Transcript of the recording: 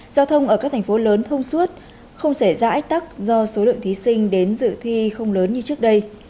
giao thông ở các thành phố lớn thông suốt không xảy ra ách tắc do số lượng thí sinh đến dự thi không lớn như trước đây